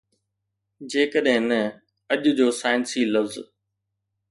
جيڪڏهن نه، اڄ جو سائنسي لفظ